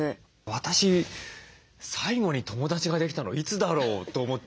私最後に友だちができたのいつだろう？と思っちゃいます。